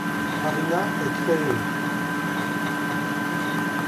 Une marina est créée.